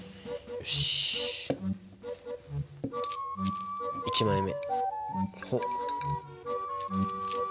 よし２枚目。